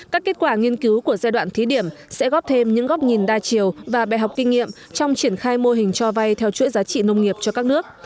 các kết quả nghiên cứu của giai đoạn thí điểm sẽ góp thêm những góp nhìn đa chiều và bài học kinh nghiệm trong triển khai mô hình cho vay theo chuỗi giá trị nông nghiệp cho các nước